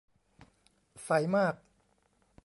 ใสมาก